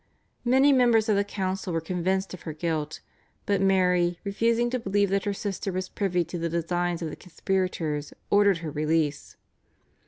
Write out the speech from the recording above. Many members of the council were convinced of her guilt, but Mary, refusing to believe that her sister was privy to the designs of the conspirators, ordered her release.